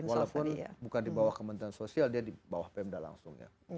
walaupun bukan di bawah kementerian sosial dia di bawah pemda langsung ya